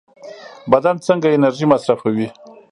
بدن څنګه انرژي مصرفوي؟